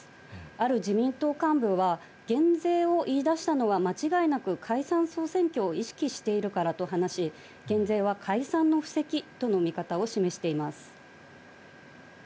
ある自民党幹部は、減税を言い出したのは、間違いなく解散・総選挙を意識しているからと話し、減税は解散の布石との見方を示しています。